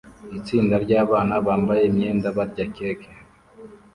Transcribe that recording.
Itsinda ryabana bambaye imyenda barya keke